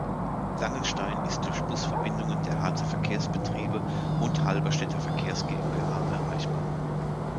Langenstein ist durch Busverbindungen der Harzer Verkehrsbetriebe und Halberstädter Verkehrs-GmbH erreichbar.